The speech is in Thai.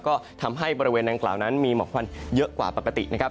ก็ทำให้บริเวณดังกล่าวนั้นมีหมอกควันเยอะกว่าปกตินะครับ